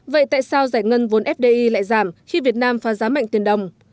vậy tại sao giải ngân vốn fdi lại giảm khi việt nam phá giá mạnh tiền đồng